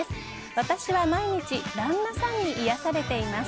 私は毎日、旦那さんに癒やされています。